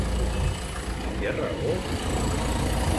I té raó?